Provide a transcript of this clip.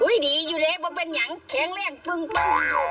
อุ๊ยดีอยู่เลยว่าเป็นอย่างแข็งแรงปึงต้อง